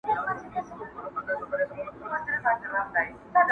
• په ګردش کي زما د عمر فیصلې دي..